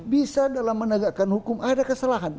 bisa dalam menegakkan hukum ada kesalahan